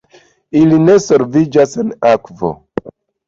Ili ne solviĝas en akvo.